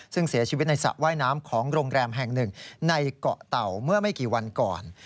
ซึ่งเสียชีวิตในสระว่ายน้ำของโรงแรมแห่งหนึ่งในเกาะเต่าเมื่อไม่กี่วันก่อน